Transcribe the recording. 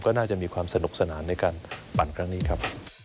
ก็น่าจะมีความสนุกสนานในการปั่นครั้งนี้ครับ